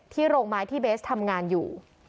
โรงไม้ที่เบสทำงานอยู่